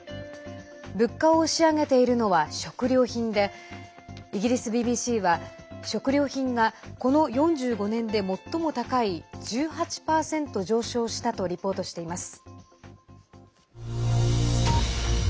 物価を押し上げているのは食料品でイギリスＢＢＣは食料品が、この４５年で最も高い１８％上昇したとリポートしています。